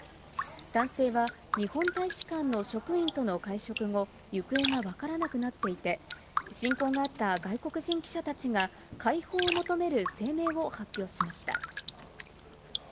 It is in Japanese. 男性は日本大使館の職員との会食後、行方が分からなくなっていて、親交があった外国人記者たちが、解放を求める声明を発表しました。